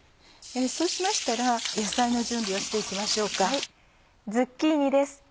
そうしましたら野菜の準備をして行きましょうか。